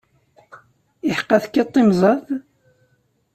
Iḥeqqa, tekkateḍ imẓad?